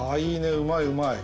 うまいうまい。